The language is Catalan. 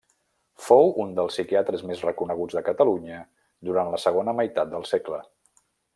Fou un dels psiquiatres més reconeguts de Catalunya durant la segona meitat de segle.